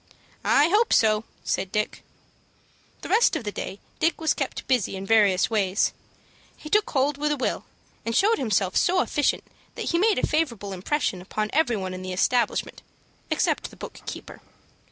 "I hope so," said Dick. The rest of the day Dick was kept busy in various ways. He took hold with a will, and showed himself so efficient that he made a favorable impression upon every one in the establishment, except the book keeper.